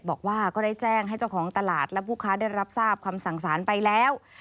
บอกว่าก็ได้แจ้งให้เจ้าของตลาดและผู้ค้าได้รับทราบคำสั่งสารไปแล้ว